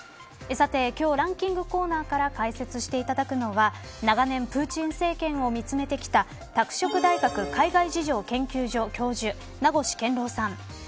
さて、今日ランキングコーナーから解説していただくのは長年プーチン政権を見つめてきた拓殖大学海外事情研究所教授名越健郎さん。